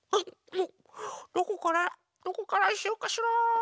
どこからどこからしようかしら。